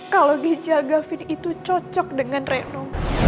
kalau ginjal gavin itu cocok dengan reno